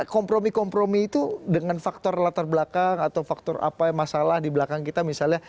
kompromi kompromi itu dengan faktor latar belakang atau faktor apa masalah di belakang kita misalnya